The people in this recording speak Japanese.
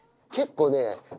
結構ね。